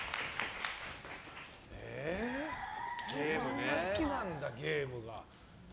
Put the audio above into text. そんな好きなんだ、ゲームが。